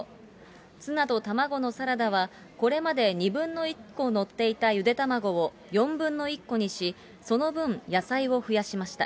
ツナと玉子のサラダは、これまで２分の１個載っていたゆで卵を４分の１個にし、その分、野菜を増やしました。